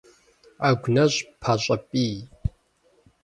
Ӏэгу нэщӀ пащӀэ пӀий.